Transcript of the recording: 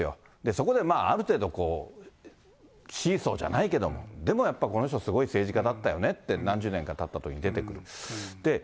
そこである程度こう、シーソーじゃないけども、でもやっぱりこの人すごい政治家だったよねって、何十年かたったときに出てくる。